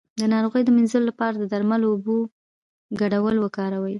د ناروغۍ د مینځلو لپاره د درملو او اوبو ګډول وکاروئ